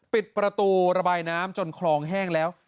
ปิดประตูระบายน้ำจนคลองแห้งแล้ว